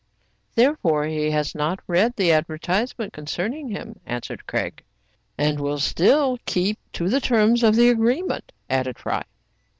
" Therefore he has not read the advertisement concerning him," answered Craig. " And will still keep to the terms of the agree ment," added Fry.